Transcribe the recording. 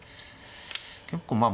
結構まあ